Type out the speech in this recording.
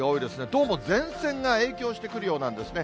どうも前線が影響してくるようなんですね。